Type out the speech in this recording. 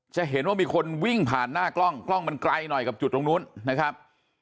จะเห็นว่ามีคนวิ่งผ่านหน้ากล้องกล้องมันไกลหน่อยกับจุดตรงนู้นนะครับ